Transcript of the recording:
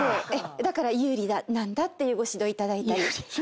だから有利なんだっていうご指導いただいたり。